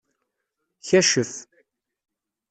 Kacef.